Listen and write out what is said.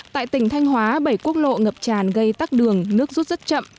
tại tỉnh thanh hóa bảy quốc lộ ngập tràn gây tắt đường nước rút rất chậm